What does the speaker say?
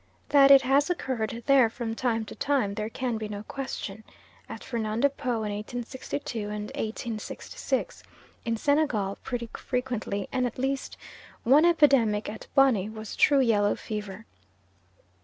That it has occurred there from time to time there can be no question: at Fernando Po in 1862 and 1866, in Senegal pretty frequently; and at least one epidemic at Bonny was true yellow fever.